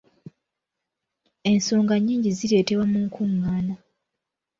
Ensonga nnyingi zireetebwa mu nkungaana.